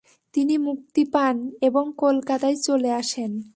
তিনি মুক্তি পান এবং কলকাতায় চলে আসেন।